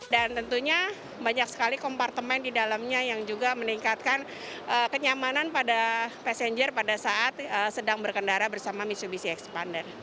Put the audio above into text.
dan tentunya banyak sekali kompartemen didalamnya yang juga meningkatkan kenyamanan pada passenger pada saat sedang berkendara bersama mitsubishi xpander